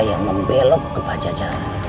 yang membelok ke pajacara